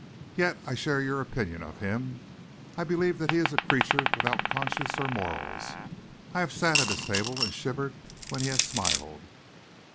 Yet I share your opinion of him. I believe that he is a creature without conscience or morals. I have sat at his table and shivered when he has smiled."